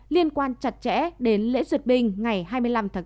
liên quan chặt chẽ đến lễ ruột bình ngày hai mươi năm tháng bốn